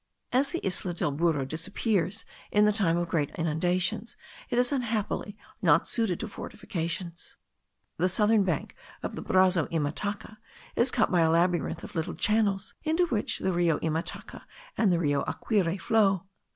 As the Isla del Burro disappears in the time of great inundations, it is unhappily not suited to fortifications. The southern bank of the brazo Imataca is cut by a labyrinth of little channels, into which the Rio Imataca and the Rio Aquire flow.